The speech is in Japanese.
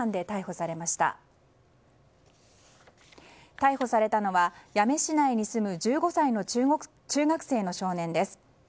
逮捕されたのは八女市内に住む１５歳の中学生の少年です。